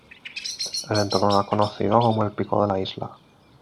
El entorno era conocido como el "Pico de la Isla".